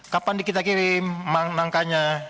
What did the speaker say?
kapan dikita kirim nangkanya